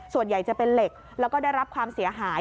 ส่วนใหญ่จะเป็นเหล็กแล้วก็ได้รับความเสียหาย